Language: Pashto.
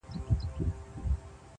o طبيب هغه دئ، چي پر ورغلي وي٫